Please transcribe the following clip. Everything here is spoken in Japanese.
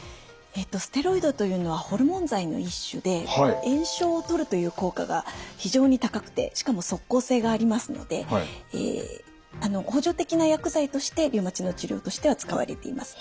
えとステロイドというのはホルモン剤の一種で炎症をとるという効果が非常に高くてしかも即効性がありますので補助的な薬剤としてリウマチの治療としては使われています。